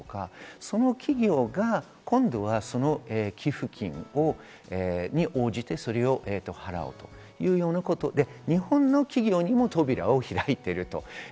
鉄鋼大手のポスコですとか、その企業が今度は寄付金に応じて、それを払おうというようなことで、日本の企業にも扉を開いていると。